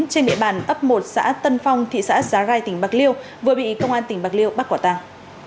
trên địa bàn ấp một xã tân phong thị xã giá rai tỉnh bạc liêu vừa bị công an tỉnh bạc liêu bắt quả tàng